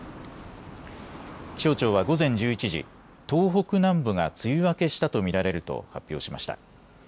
気象庁は午前１１時、東北南部が梅雨明けしたと見られると発表しました。